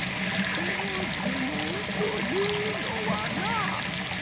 その呪文というのはな